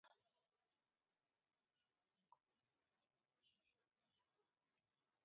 Quina empresa va crear?